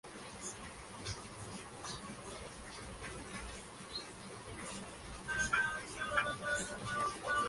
Amir Alexander, Infinitesimal.